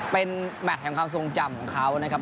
เป็นแมทแห่งความทรงจำของเขานะครับ